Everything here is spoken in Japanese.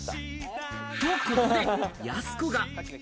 と、ここでやす子が。